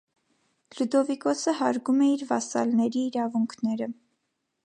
Լյուդովիկոսը հարգում էր իր վասսալների իրավունքները։